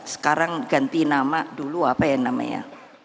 sekarang ganti nama dulu apa namanya ya